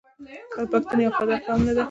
آیا پښتون یو وفادار قوم نه دی؟